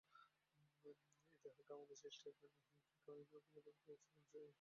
এই দেহটা আমাদের সৃষ্টি একখানি ছোট আয়না, প্রকৃতপক্ষে সারা বিশ্বই হচ্ছে আমাদের শরীর।